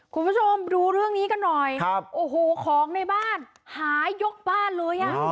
คุณผู้ชมดูเรื่องนี้กันหน่อยครับโอ้โหของในบ้านหายกบ้านเลยอ่ะ